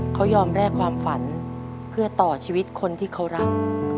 เขายอมแร่ความฝันเพื่อต่อชีวิตคนที่เขารัก